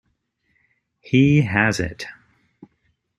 He has it.